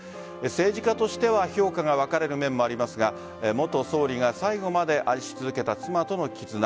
政治家としては評価が分かれる面もありますが元総理が最後まで愛し続けた妻との絆。